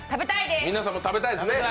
皆さんも食べたいですよね。